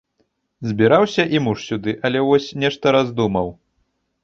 Збіраўся і муж сюды, але вось, нешта раздумаў.